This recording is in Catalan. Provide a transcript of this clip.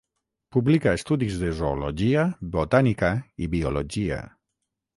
Publica estudis de zoologia, botànica i biologia.